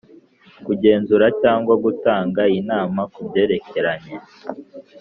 Kugenzura cyangwa gutanga inama ku byerekeranye